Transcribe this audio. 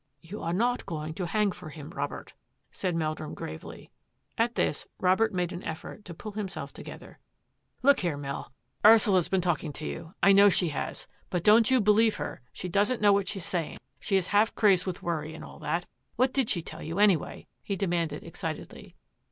" You are not going to hang for him, Robert," said Meldrum gravely. At this, Robert made an effort to pull himself together. " Look here, Mel, Ursula's been talking PORTSTEAiyS WILL 123 to you. I know she has, but don't you believe her; she doesn't know what she's saying, she is half crazed with worry and all that. What did she tell you anyway ?" he demanded excitedly.